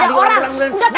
pasar sampai kerji